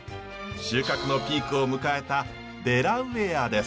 収穫のピークを迎えたデラウェアです。